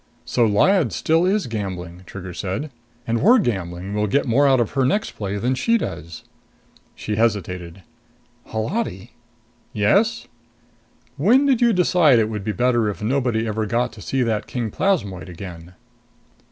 "So Lyad still is gambling," Trigger said. "And we're gambling we'll get more out of her next play than she does." She hesitated. "Holati " "Yes?" "When did you decide it would be better if nobody ever got to see that king plasmoid again?"